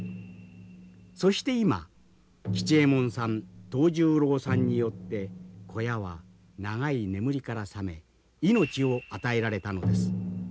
そして今吉右衛門さん藤十郎さんによって小屋は長い眠りから覚め命を与えられたのです。